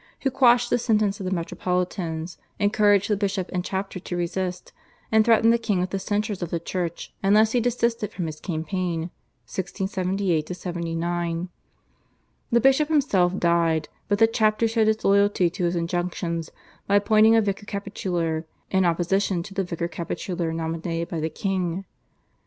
who quashed the sentence of the metropolitans, encouraged the bishop and chapter to resist, and threatened the king with the censures of the Church unless he desisted from his campaign (1678 79). The bishop himself died, but the chapter showed its loyalty to his injunctions by appointing a vicar capitular in opposition to the vicar capitular nominated by the king.